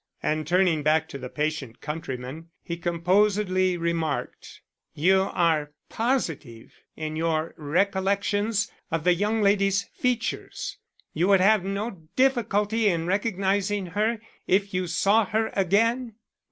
And turning back to the patient countryman, he composedly remarked: "You are positive in your recollections of the young lady's features. You would have no difficulty in recognizing her if you saw her again?"